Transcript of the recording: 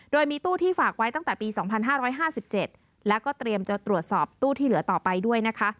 โดยมีตู้ที่ฝากไว้ตั้งแต่ปี๒๕๕๗แล้วก็เตรียมจะตรวจสอบตู้ที่เหลือต่อไปด้วยนะคะ